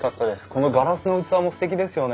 このガラスの器もすてきですよね。